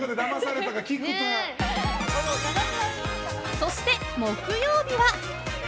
［そして木曜日は］